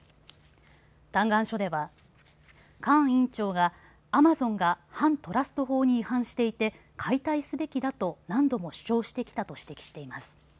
嘆願書ではカーン委員長がアマゾンが反トラスト法に違反していて解体すべきだと何度も主張してきたと指摘しています。